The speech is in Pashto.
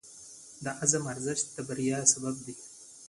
د عزم ارزښت د بریا سبب دی.